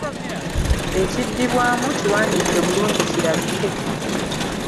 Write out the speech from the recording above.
Ekiddibwamu kiwandiike bulungi kirabike.